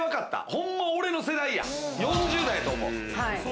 ほんま、俺の世代や、４０代やと思う。